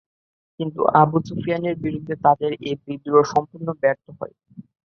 কিন্তু আবু সুফিয়ানের বিরুদ্ধে তাদের এই বিদ্রোহ সম্পূর্ণ ব্যর্থ হয়।